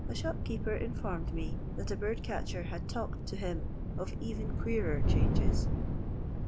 pkeeper informed me that a bird catcher d to him of even queerer " changes.